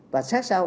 và sát sao